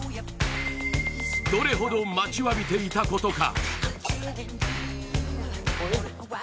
どれほど待ちわびていたことか。